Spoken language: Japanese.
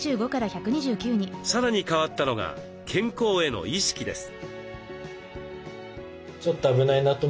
さらに変わったのが健康への意識です。